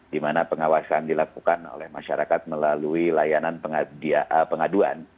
dimana pengawasan dilakukan oleh masyarakat melalui layanan pengaduan